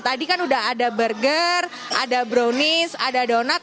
tadi kan udah ada burger ada brownies ada donat